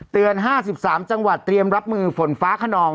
๕๓จังหวัดเตรียมรับมือฝนฟ้าขนอง